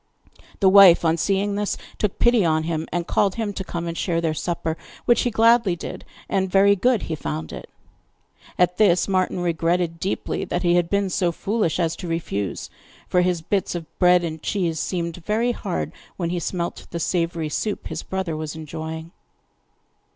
The wife, on seeing this, took pity on him, and called him to come and share their supper, which he gladly did, and very good he found it. At this, Martin regretted deeply that he had been so foolish as to refuse, for his bits of bread and cheese seemed very hard when he smelt the savoury soup his brother was enjoying.